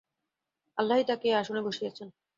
আল্লাহই তাকে এই আসনে বসিয়েছে।